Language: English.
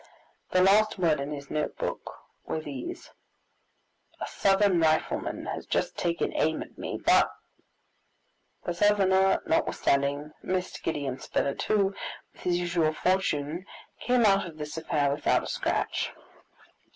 The last words in his note book were these: "A Southern rifleman has just taken aim at me, but " The Southerner notwithstanding missed Gideon Spilett, who, with his usual fortune, came out of this affair without a scratch.